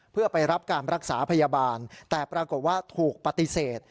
เพื่อไปรับการรักษาพยาบาลแต่ปรากฏว่าถูกปฏิเสธ